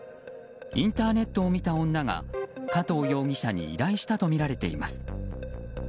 インターネットを見た女が加藤容疑者に依頼したとみられています。